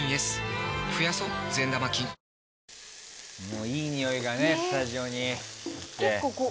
もう、いいにおいがスタジオに。